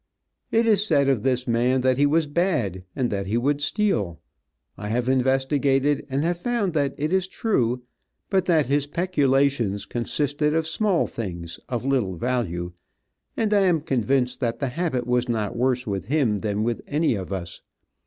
It is said of this man that he was bad, that he would steal. I have investigated, and have found that it is true, but that his peculations consisted of small things, of little value, and I am convinced that the habit was not worse with him than with any of us.